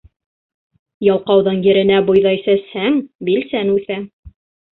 Ялҡауҙың еренә бойҙай сәсһәң, билсән үҫә.